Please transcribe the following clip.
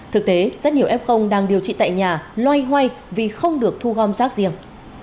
thực tế rất nhiều f đang điều trị tại nhà loay hoay vì không được thu gom rác riêng